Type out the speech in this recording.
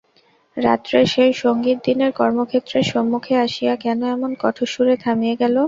রাত্রের সেই সংগীত দিনের কর্মক্ষেত্রের সম্মুখে আসিয়া কেন এমন কঠোর সুরে থামিয়া গেল!